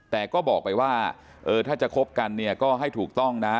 แต่ก็บอกไปว่าเออถ้าจะคบกันเนี่ยก็ให้ถูกต้องนะ